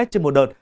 trên một đợt